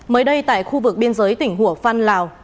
mới đây tại khu vực biên giới tỉnh hủa phăn lào